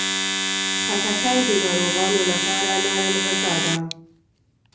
خټکی د ناروغانو لپاره نرم غذا ده.